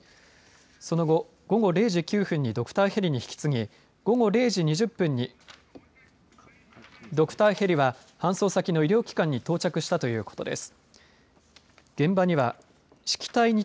その後、午後０時９分にドクターヘリに引き継ぎ午後０時２０分にドクターヘリは搬送先の医療機関に到着したということです。